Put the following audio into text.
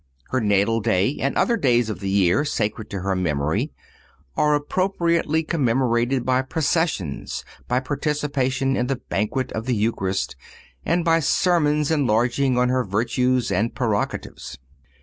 Her natal day and other days of the year, sacred to her memory, are appropriately commemorated by processions, by participation in the banquet of the Eucharist, and by sermons enlarging on her virtues and prerogatives.